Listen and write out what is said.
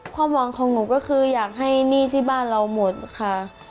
ความหวังของหนูก็คืออยากให้หนี้ที่บ้านเราหมดค่ะ